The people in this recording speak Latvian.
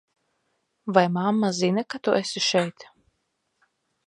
Vai mamma zina, ka tu esi šeit?